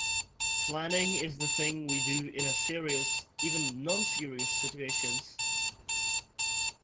Planning is the thing we do in a serious, even non-serious situations.